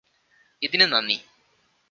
ഇതിനു നന്ദി